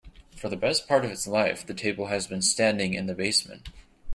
For the best part of its life, the table has been standing in the basement.